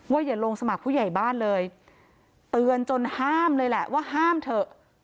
อย่าลงสมัครผู้ใหญ่บ้านเลยเตือนจนห้ามเลยแหละว่าห้ามเถอะ